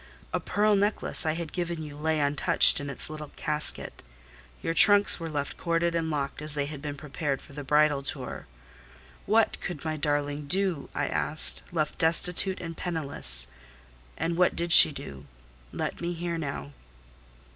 A pearl necklace I had given you lay untouched in its little casket; your trunks were left corded and locked as they had been prepared for the bridal tour. What could my darling do, I asked, left destitute and penniless? And what did she do? Let me hear now."